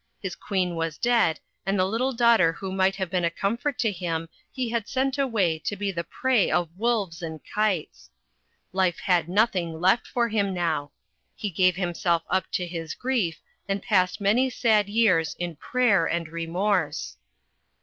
His Queen was dead, and the little daughter who might have been a comfort to hin\ he had sent away to be the prey of wolves and kites. Life had nothing left for him now. He gave himself up to his grief, and passed many sad years in prayer and remorse.